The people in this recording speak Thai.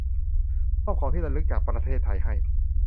มอบของที่ระลึกจากประเทศไทยให้